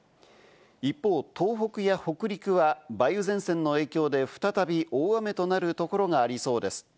一方、東北や北陸は梅雨前線の影響で再び大雨となるところがありそうです。